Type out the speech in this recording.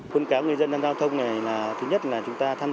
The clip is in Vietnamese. phân cáo người dân an toàn thông này là thứ nhất là chúng ta tham gia